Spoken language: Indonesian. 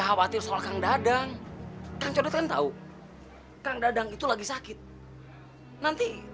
khawatir soal kang dadang kan coba tahu kang dadang itu lagi sakit nanti